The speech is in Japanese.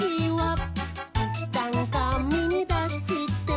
「いったんかみに出して」